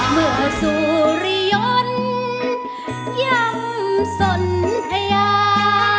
เมื่อสุริยนต์ย่ำสนไทยา